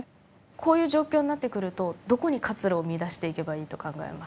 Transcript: こういう状況になってくるとどこに活路を見いだしていけばいいと考えますか？